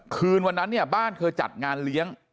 คืนวันนั้นเนี่ยบ้านเธอจัดงานเลี้ยง